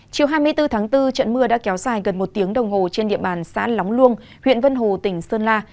chiều hai mươi bốn tháng bốn trận mưa đã kéo dài gần một tiếng đồng hồ trên địa bàn xã lóng luông huyện vân hồ tỉnh sơn la